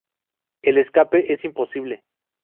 El escape es imposible.